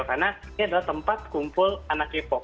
karena ini adalah tempat kumpul anak k pop